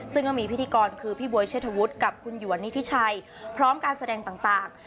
ซึ่งก็มีพิธีกรคือพี่บ๊วยเชษฐวุฒิกับคุณหยวนนิทิชัยพร้อมการแสดงต่าง